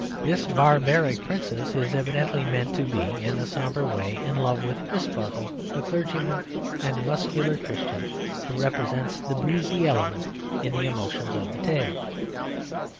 This barbaric princess is evidently meant to be (in a sombre way) in love with Crisparkle, the clergyman and muscular Christian who represents the breezy element in the emotions of the tale.